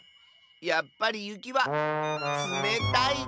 やっぱりゆきはつめたいでスノー。